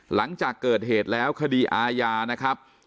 หลังจากเกิดเหตุแล้วคดีอาญานะครับ